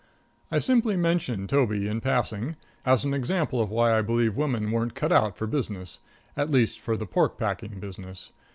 I simply mention Toby in passing, as an example of why I believe women weren't cut out for business at least for the pork packing business.